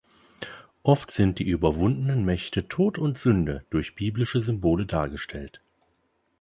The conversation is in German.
Oft sind die überwundenen Mächte "Tod" und "Sünde" durch biblische Symbole dargestellt.